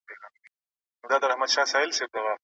موږ د خپلو ډیپلوماتیکو لاسته راوړنو په ساتلو کي غفلت نه کوو.